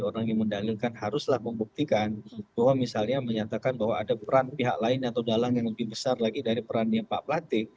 orang yang mendalilkan haruslah membuktikan bahwa misalnya menyatakan bahwa ada peran pihak lain atau dalang yang lebih besar lagi dari perannya pak plate